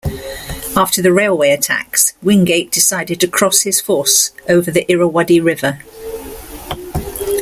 After the railway attacks, Wingate decided to cross his force over the Irrawaddy River.